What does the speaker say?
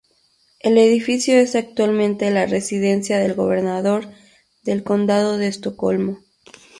El edificio es actualmente la residencia del gobernador del condado de Estocolmo.